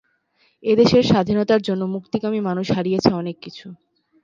এ দেশের স্বাধীনতার জন্য মুক্তিকামী মানুষ হারিয়েছে অনেক কিছু।